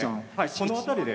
この辺りで。